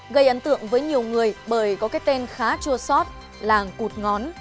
gây ấn tượng với nhiều người bởi có cái tên khá chua sót làng cụt ngón